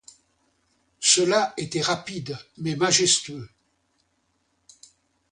Cela était rapide, mais majestueux.